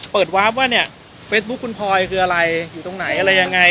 วาฟว่าเนี่ยเฟซบุ๊คคุณพลอยคืออะไรอยู่ตรงไหนอะไรยังไง